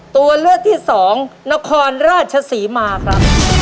ตัวเลือกที่สองนครราชศรีมาครับ